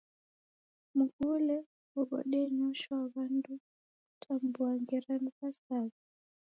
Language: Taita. Mghule ghodenyoshwa w'andu kutambua ngera ni w'asaw'i.